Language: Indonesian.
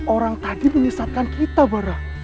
orang tadi menyesatkan kita mardian